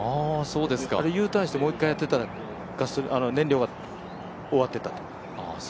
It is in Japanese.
Ｕターンしてもう一回やってたら燃料が終わってたと。